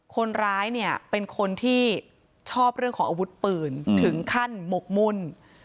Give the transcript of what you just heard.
คนร้ายเนี่ยเป็นคนที่ชอบเรื่องของอาวุธปืนถึงขั้นหมกมุ่น